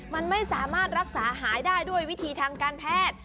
มันไม่สามารถรักษาหายได้ด้วยวิธีทางการแพทย์